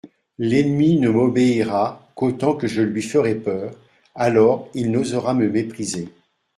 L'ennemi ne m'obéira qu'autant que je lui ferai peur, alors il n'osera me mépriser.